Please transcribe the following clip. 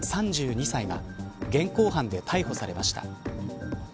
３２歳現行犯で逮捕されました。